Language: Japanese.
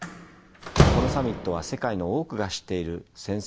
このサミットは世界の多くが知っている戦争